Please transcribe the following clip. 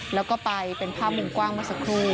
แล้วก็ไปเป็นภาพมุมกว้างเมื่อสักครู่